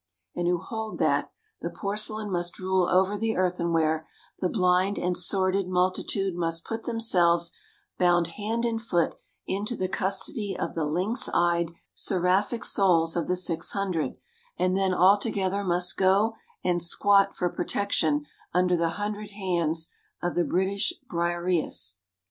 and who hold that "the porcelain must rule over the earthenware, the blind and sordid multitude must put themselves, bound hand and foot, into the custody of the lynx eyed, seraphic souls of the six hundred, and then all together must go and squat for protection under the hundred hands of the British Briareus."